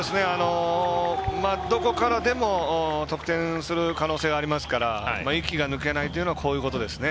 どこからでも得点する可能性がありますから息が抜けないというのはこういうことですね。